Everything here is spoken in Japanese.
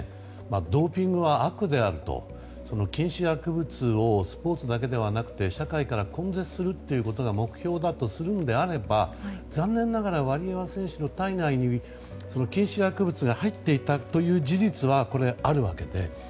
ドーピングは悪であると禁止薬物をスポーツだけではなく社会から根絶するということが目標だとするのであれば残念ながらワリエワ選手の体内に禁止薬物が入っていたという事実はこれ、あるわけで。